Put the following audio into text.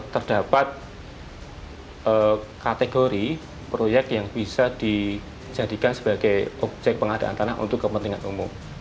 terdapat kategori proyek yang bisa dijadikan sebagai objek pengadaan tanah untuk kepentingan umum